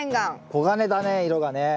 黄金だね色がね。